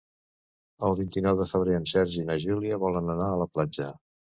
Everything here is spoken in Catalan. El vint-i-nou de febrer en Sergi i na Júlia volen anar a la platja.